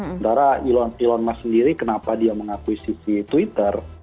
sementara elon musk sendiri kenapa dia mengakui sisi twitter